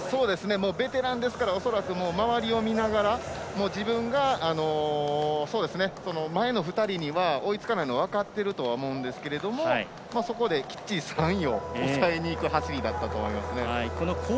ベテランですから恐らく、周りを見ながら自分が前の２人には追いつかないのが分かってると思うんですけどそこできっちり３位をおさえにいく走りだったと思います。